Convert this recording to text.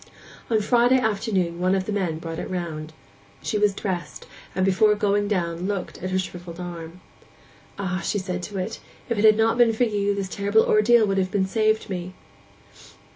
On Friday afternoon one of the men brought it round. She was dressed, and before going down looked at her shrivelled arm. 'Ah!' she said to it, 'if it had not been for you this terrible ordeal would have been saved me!